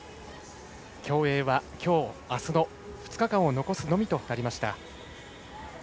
競泳はきょう、あすの２日間を残すのみとなりました。